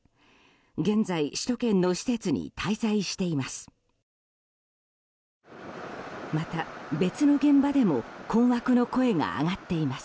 現在、首都圏の施設に滞在しています。